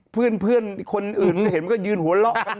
เพื่อนคนอื่นเห็นมันก็ยืนหัวเราะกัน